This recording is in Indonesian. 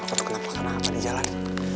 apa tuh kenapa kenapa di jalan